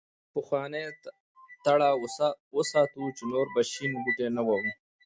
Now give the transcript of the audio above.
پخوانۍ تړه وساتو چې نور به شین بوټی نه وهو.